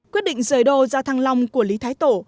quyết định rời đô ra thăng long của lý thái tổ